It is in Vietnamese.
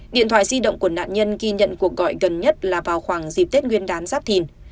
điện thoại di động của nạn nhân ghi nhận cuộc gọi gần nhất là vào khoảng dịp tết nguyên đán giáp thìn